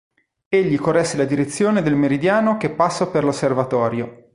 Egli corresse la direzione del meridiano che passa per l'Osservatorio.